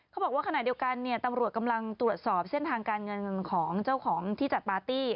เขาบอกว่าขณะเดียวกันเนี่ยตำรวจกำลังตรวจสอบเส้นทางการเงินของเจ้าของที่จัดปาร์ตี้